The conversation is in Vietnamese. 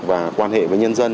và quan hệ với nhân dân